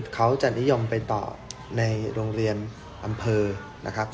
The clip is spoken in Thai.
เขาจะนิยมไปต่อในโรงเรียนอำเภอนะครับ